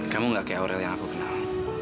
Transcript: kamu gak kayak orel yang aku kenal